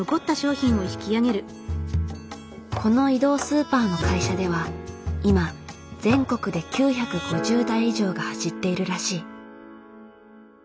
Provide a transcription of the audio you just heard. この移動スーパーの会社では今全国で９５０台以上が走っているらしい。